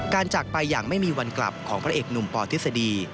จากไปอย่างไม่มีวันกลับของพระเอกหนุ่มปทฤษฎี